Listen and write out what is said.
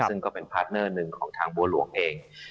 ซึ่งก็เป็นพาร์ทเนอร์หนึ่งของทางบัวหลวงเอง